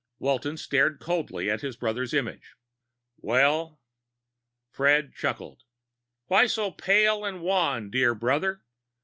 Walton stared coldly at his brother's image. "Well?" Fred chuckled. "Why so pale and wan, dear brother?